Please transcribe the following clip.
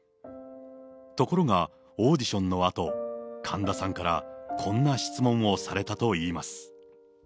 ところが、オーディションのあと、神田さんからこんな質問をされたといいます。